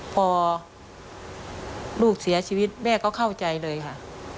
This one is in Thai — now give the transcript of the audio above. พอลูกเสียชีวิตแม่ก็เข้าใจเลยค่ะ